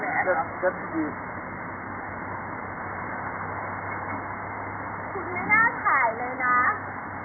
ขอบคุณที่ทำดีดีกับแม่ของฉันหน่อยครับ